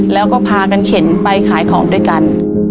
แล้วก็พากันเข็นไปขายของด้วยกัน